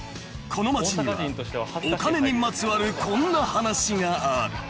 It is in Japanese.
［この街にはお金にまつわるこんな話がある］